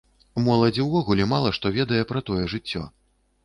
Моладзь увогуле мала што ведае пра тое жыццё.